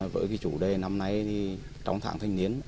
với chủ đề năm nay trong tháng thanh niên